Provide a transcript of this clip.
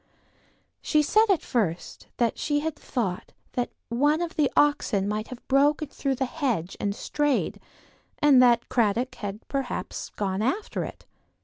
She said at first that she had thought that one of the oxen might have broken through the hedge and strayed, and that Cradock had perhaps gone after it.